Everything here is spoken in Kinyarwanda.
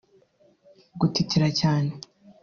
Gutitira cyane